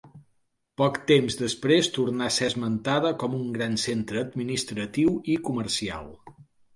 Poc temps després tornà a ser esmentada com un gran centre administratiu i comercial.